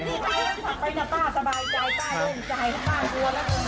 ไปนะป้าสบายใจป้าโล่งใจ